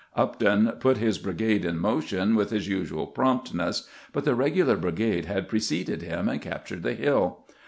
Upton put his brigade in motion with his usual promptness, but the regular brigade had preceded him and captured the hill.